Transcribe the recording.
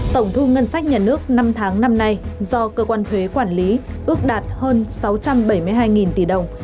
tổng thu ngân sách nhà nước năm tháng năm nay do cơ quan thuế quản lý ước đạt hơn sáu trăm bảy mươi hai tỷ đồng